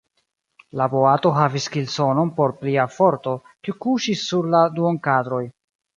La boato havis kilsonon por plia forto, kiu kuŝis sur la duonkadroj.